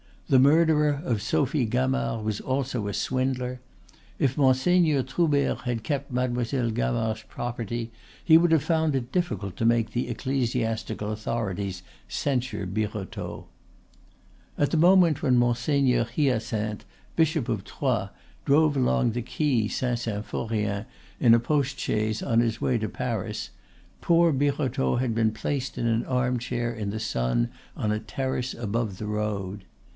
The murderer of Sophie Gamard was also a swindler. If Monseigneur Troubert had kept Mademoiselle Gamard's property he would have found it difficult to make the ecclestiastical authorities censure Birotteau. At the moment when Monseigneur Hyacinthe, Bishop of Troyes, drove along the quay Saint Symphorien in a post chaise on his way to Paris poor Birotteau had been placed in an armchair in the sun on a terrace above the road.